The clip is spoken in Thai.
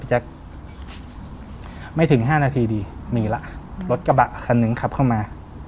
แจ๊คไม่ถึง๕นาทีดีมีละรถกระบะคันหนึ่งขับเข้ามา